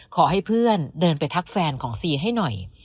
ขอให้เพื่อนเดินไปทักแฟนของซีให้หน่อย